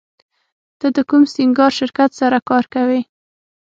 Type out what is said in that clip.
ته د کوم سینګار شرکت سره کار کوې